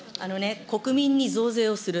国民に増税をする。